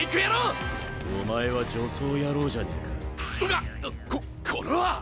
がっここれは！